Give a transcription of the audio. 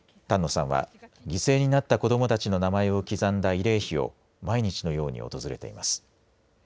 丹野さんは犠牲になった子どもたちの名前を刻んだ慰霊碑を毎日のように訪れています。